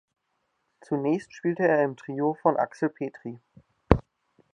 Zunächst spielte er im Trio von Axel Petry.